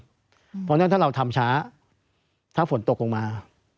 เพราะฉะนั้นถ้าเราทำช้าถ้าฝนตกลงมา